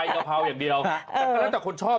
โอ้โห